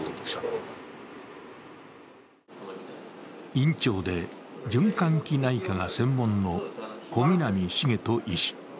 院長で循環器内科が専門の小南重人医師。